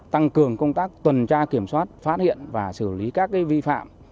tăng cường công tác tuần tra kiểm soát phát hiện và xử lý các vi phạm